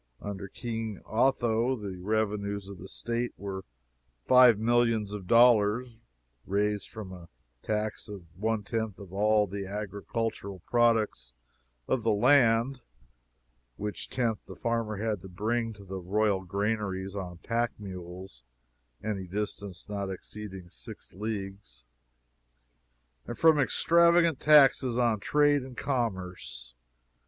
Under King Otho the revenues of the State were five millions of dollars raised from a tax of one tenth of all the agricultural products of the land (which tenth the farmer had to bring to the royal granaries on pack mules any distance not exceeding six leagues) and from extravagant taxes on trade and commerce.